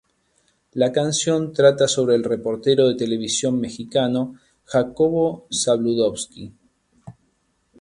La canción trata sobre el reportero de televisión mexicano Jacobo Zabludovsky.